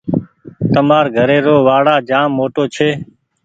تمآر گھري رو وآڙآ جآم موٽو ڇي۔